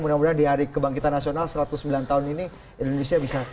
mudah mudahan di hari kebangkitan nasional satu ratus sembilan tahun ini indonesia bisa